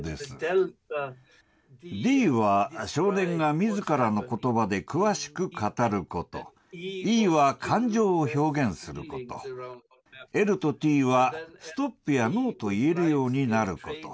みずからのことばで詳しく語ること、Ｅは感情を表現すること、ＬとＴはストップやノーと言えるようになること。